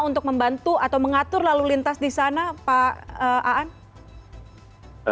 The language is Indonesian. untuk membantu atau mengatur lalu lintas di sana pak aan